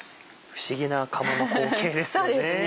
不思議な釜の光景ですね。